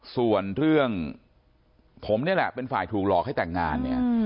ส่วนเรื่องผมนี่แหละเป็นฝ่ายถูกหลอกให้แต่งงานเนี่ย